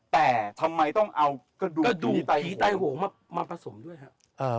แต่ทำไมต้องเอากระดูกไตโหงมาผสมด้วยครับ